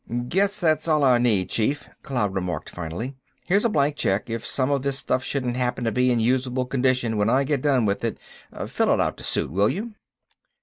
"Guess that's all I'll need, Chief," Cloud remarked, finally. "Here's a blank check. If some of this stuff shouldn't happen to be in usable condition when I get done with it, fill it out to suit, will you?"